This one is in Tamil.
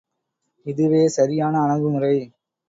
இதுவே சரியான அணுகுமுறை.